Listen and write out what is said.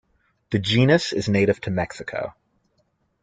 The genus is native to Mexico.